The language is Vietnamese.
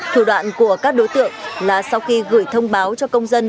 thủ đoạn của các đối tượng là sau khi gửi thông báo cho công dân